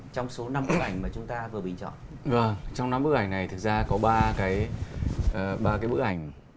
trong số năm bức ảnh mà chúng ta vừa bình chọn g trong năm bức ảnh này thực ra có ba cái ba cái bức ảnh